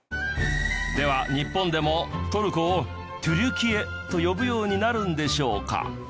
では日本でもトルコをテュルキエと呼ぶようになるんでしょうか？